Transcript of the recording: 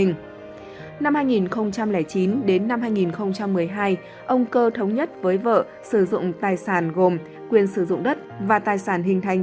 năm hai nghìn chín đến năm hai nghìn một mươi hai ông cơ thống nhất với vợ sử dụng tài sản gồm quyền sử dụng đất và tài sản hình thành